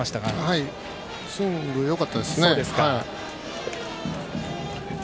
はい、スイングがよかったですね。